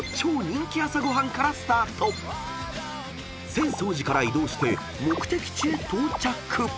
［浅草寺から移動して目的地へ到着］